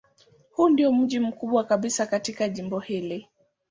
Huu ndiyo mji mkubwa kabisa katika jimbo hili.